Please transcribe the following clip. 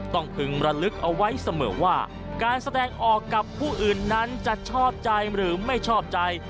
พึงระลึกเอาไว้เสมอว่าการแสดงออกกับผู้อื่นนั้นจะชอบใจหรือไม่ชอบใจ